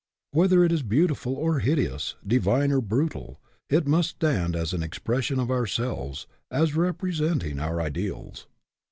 Whether it is beautiful or hideous, divine or brutal, it must stand as an expression of ourselves, as repre senting our ideals.